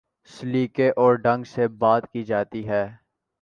سلیقے اور ڈھنگ سے بات کی جاتی ہے۔